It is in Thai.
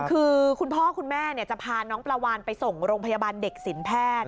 คือคุณพ่อคุณแม่จะพาน้องปลาวานไปส่งโรงพยาบาลเด็กสินแพทย์